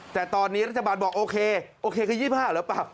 แต่ตอนนี้รัฐบาลบอกโอเคโอเคคือ๒๕หรือเปล่า